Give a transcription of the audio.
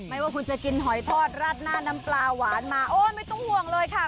ไม่ว่าคุณจะกินหอยทอดราดหน้าน้ำปลาหวานมาโอ๊ยไม่ต้องห่วงเลยค่ะ